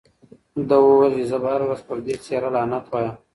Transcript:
ده وویل چې زه به هره ورځ پر دې څېره لعنت وایم.